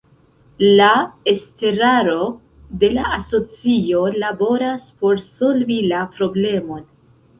La estraro de la asocio laboras por solvi la problemon.